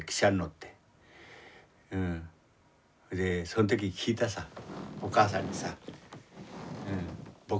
その時聞いたさお母さんにさ。